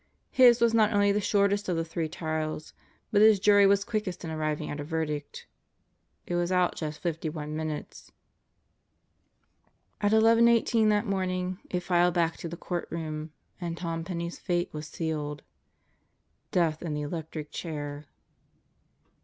His was not only the shortest of the three trials, but his jury was quickest in arriving at a verdict. It was out just fifty one minutes. At 11:18 that morning it filed back to the courtroom and Tom Penney J s fate was sealed: "Death in the electric chair."